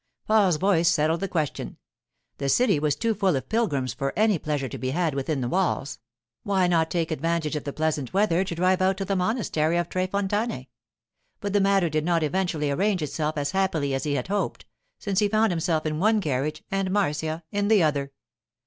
Paul's voice settled the question: the city was too full of pilgrims for any pleasure to be had within the walls; why not take advantage of the pleasant weather to drive out to the monastery of Tre Fontane? But the matter did not eventually arrange itself as happily as he had hoped, since he found himself in one carriage and Marcia in the other.